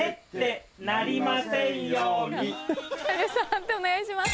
判定お願いします。